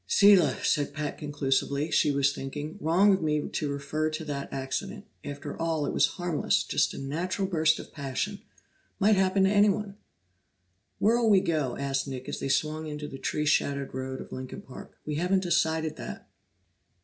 "Selah!" said Pat conclusively. She was thinking, "Wrong of me to refer to that accident. After all it was harmless; just a natural burst of passion. Might happen to anyone." "Where'll we go?" asked Nick as they swung into the tree shadowed road of Lincoln Park. "We haven't decided that."